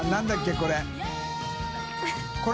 これ。